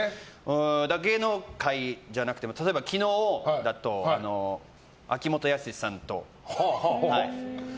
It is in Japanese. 芸能界じゃなくても昨日だと秋元康さんと。